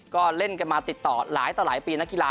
ก็เล่นกันมาติดต่อหลายปีในกีฬา